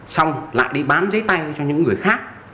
xong lại đi bán giấy tay cho những người khác